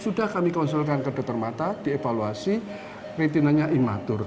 sudah kami konsulkan ke dokter mata dievaluasi retinanya imatur